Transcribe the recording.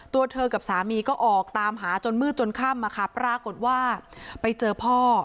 ตัวเธอกับสามีก็ออกตามหาจนมืดจนค่ำปรากฏว่าไปเจอพ่อ